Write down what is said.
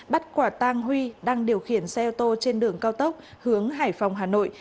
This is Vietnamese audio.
bắt quả tang huy đang điều khiển xe ô tô trên đường cao tốc hướng hải phòng hà nội